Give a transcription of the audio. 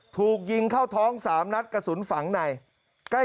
ถูกยิงเข้าท้อง๓นัดกระสุนฝังในใกล้